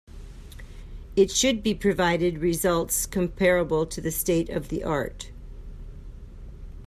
It should provided results comparable to the state of the art.